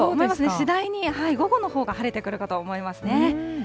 次第に午後のほうが晴れてくるかと思いますね。